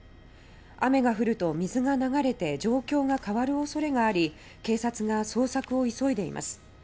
雨が降ると水が流れて状況が変わる恐れがあり警察が捜索を急いでいます。